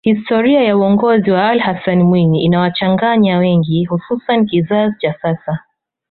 historia ya uongozi wa Alli Hassani Mwinyi inawachanganya wengi hususani kizazi cha sasa